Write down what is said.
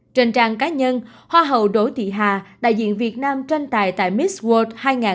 trên trang cá nhân hoa hậu đỗ thị hà đại diện việt nam tranh tài tại miss world hai nghìn một mươi tám